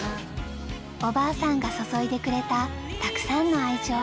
おばあさんが注いでくれたたくさんの愛情。